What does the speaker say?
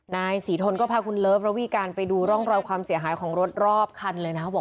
นายศรีทนก็พาคุณเลิฟระวีการไปดูร่องรอยความเสียหายของรถรอบคันเลยนะครับ